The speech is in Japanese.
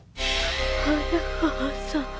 早川さん。